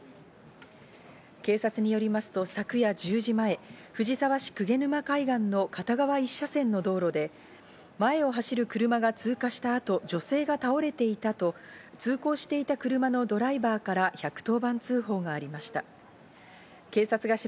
警察によりますと昨夜１０時前、藤沢市鵠沼海岸の片側１車線の道路で、前を走る車が通過した後で、女性の倒れていたと通行していた車のドライバーから１１０番通報がありました。